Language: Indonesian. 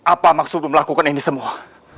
apa maksudmu melakukan ini semua